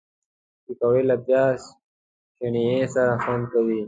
پکورې له پیاز چټني سره خوند کوي